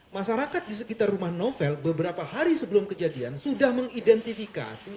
masyarakat di sekitar rumah novel beberapa hari sebelum kejadian sudah mengidentifikasi